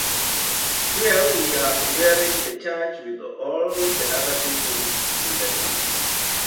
Here we are comparing the church with all the other buildings in the town.